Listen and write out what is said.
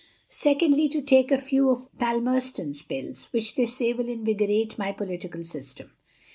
Secondly, to take a few of Palmerston's pills, which they say will invigorate my Political system.